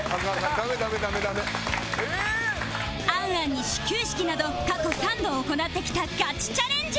『ａｎａｎ』に始球式など過去３度行ってきたガチチャレンジ